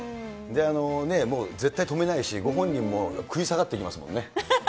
で、絶対止めないし、ご本人も食い下がってきますもんね。